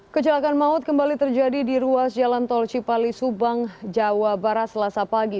kecelakaan maut kembali terjadi di ruas jalan tol cipali subang jawa barat selasa pagi